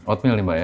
oatmeal nih mbak ya